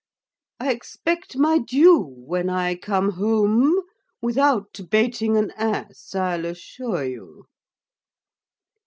I expect my dew when I come huom, without baiting an ass, I'll assure you.